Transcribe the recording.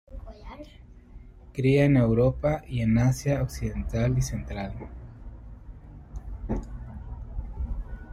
Cría en Europa y en Asia occidental y central.